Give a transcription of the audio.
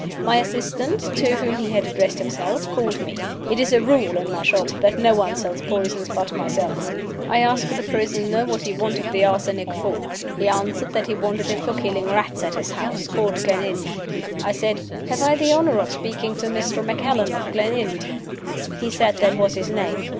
My assistant, to whom he had addressed himself, called me. It is a rule in my shop that no one sells poisons but myself. I asked the prisoner what he wanted the arsenic for. He answered that he wanted it for killing rats at his house, called Gleninch. I said, 'Have I the honor of speaking to Mr. Macallan, of Gleninch?' He said that was his name.